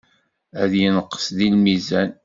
Ad yenqes deg lmizan.